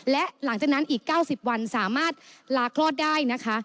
และหลังจากนั้นอีก๙๐วันสามารถลาคลอดได้นะคะ